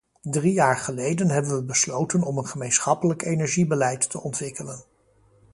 Drie jaar geleden hebben we besloten om een gemeenschappelijk energiebeleid te ontwikkelen.